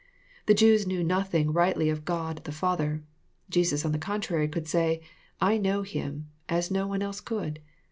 The Jews knew nothing rightly of God the Father. Jesus on the contrary could say, "I know him," as no one else could.